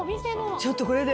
ちょっとこれで。